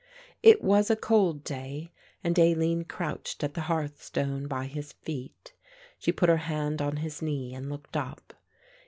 It was a cold day and Aline crouched at the hearth stone by his feet. She put her hand on his knee and looked up.